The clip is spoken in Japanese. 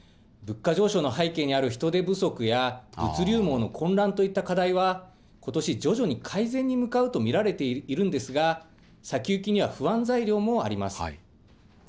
物価上昇の背景にある人手不足や物流網の混乱といった課題は、ことし徐々に改善に向かうと見られているんですが、先行きには不安材料もあります。